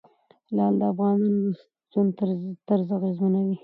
لعل د افغانانو د ژوند طرز اغېزمنوي.